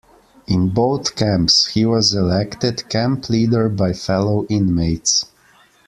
In both camps, he was elected camp leader by fellow inmates.